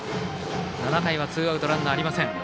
７回はツーアウトランナーありません。